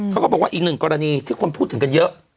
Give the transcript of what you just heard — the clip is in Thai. ก็บอกว่าอีกหนึ่งกรณีที่คนพูดถึงกันเยอะ